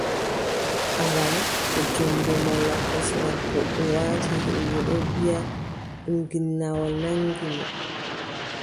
Aran, to junngo malla kosngal goɗɗo waati, yimɓe ɗon mbiʼa ɗum ginnawol nanngi mo.